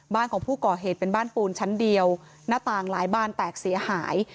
บ้านของผู้ก่อเหตุเป็นบ้านปูนชั้นเดียวหน้าต่างหลายบ้านแตกเสียหาย